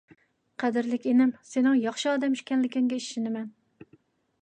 قەدىرلىك ئىنىم، سېنىڭ ياخشى ئادەم ئىكەنلىكىڭگە ئىشىنىمەن.